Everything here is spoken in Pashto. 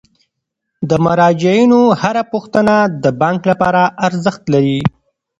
د مراجعینو هره پوښتنه د بانک لپاره ارزښت لري.